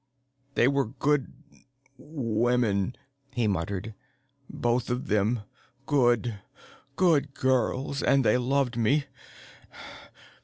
"They were good women," he muttered. "Both of them. Good, good girls. And they loved me.